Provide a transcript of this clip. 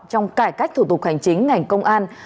trong cải cách thủ tục hành chính ngành công an